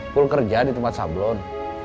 full kerja di tempat sablon